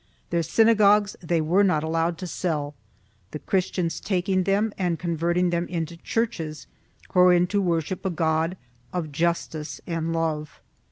Their synagogues they were not allowed to sell, the Christians taking them and converting them into churches, wherein to worship a God of justice and love.